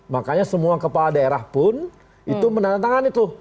makanya semua kepala daerah pun itu menandatangan itu